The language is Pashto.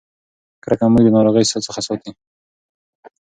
کرکه موږ د ناروغۍ څخه ساتي.